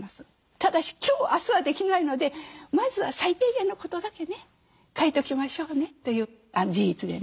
ただし今日明日はできないのでまずは最低限のことだけね書いときましょうね自筆でね。